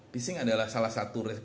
phishing adalah salah satu